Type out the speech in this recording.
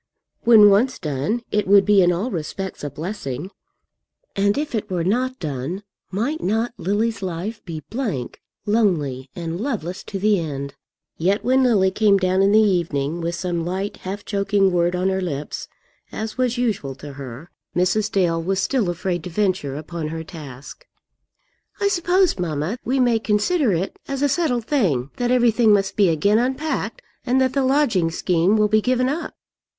When once done it would be in all respects a blessing. And if it were not done, might not Lily's life be blank, lonely, and loveless to the end? Yet when Lily came down in the evening, with some light, half joking word on her lips, as was usual to her, Mrs. Dale was still afraid to venture upon her task. "I suppose, mamma, we may consider it as a settled thing that everything must be again unpacked, and that the lodging scheme will be given up."